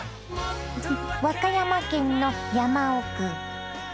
和歌山県の山奥。